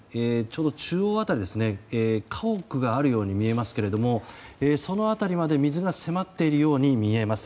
中央辺り家屋があるように見えますがその辺りまで水が迫っているように見えます。